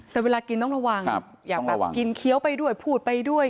แต่เวลากินต้องระวังอยากแบบกินเคี้ยวไปด้วยพูดไปด้วย